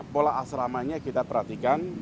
pola asramanya kita perhatikan